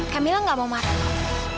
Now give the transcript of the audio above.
kamila gak mau marah